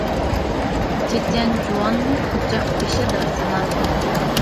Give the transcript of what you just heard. چېچەن جۇۋاننى ئوچاق بېشىدا سىنا.